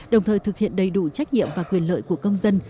đồng thời thực hiện đầy đủ trách nhiệm và quyền lợi của công dân